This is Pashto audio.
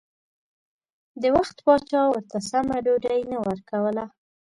د وخت پاچا ورته سمه ډوډۍ نه ورکوله.